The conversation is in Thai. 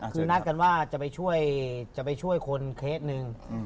คือนักการว่าจะไปช่วยคนเคสหนึ่ง